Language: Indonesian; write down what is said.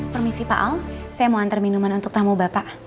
permisi pak al saya mau antar minuman untuk tamu bapak